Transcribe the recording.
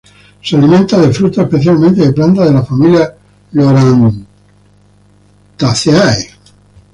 Se alimenta de frutos, especialmente de plantas de la familia Loranthaceae.